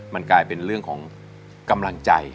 มันกลายเป็นเรื่องของกำลังใจ